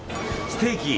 ステーキ。